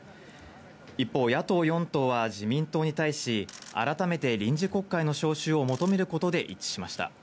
一方、野党４党は自民党に対し、改めて臨時国会の召集を求めることで一致しました。